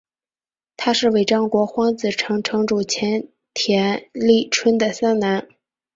他是尾张国荒子城城主前田利春的三男。